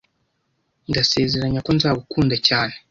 Ndasezeranye ko nzagukunda cyane